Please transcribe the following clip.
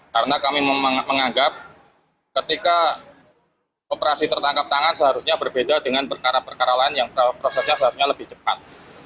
karena kami menganggap ketika operasi tertangkap tangan seharusnya berbeda dengan perkara perkara lain yang prosesnya seharusnya lebih cepat